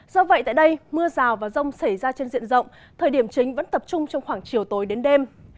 do vậy tại đây mưa rào và rông xảy ra trên diện rộng thời điểm chính vẫn tập trung trong khoảng chiều tối đến đêm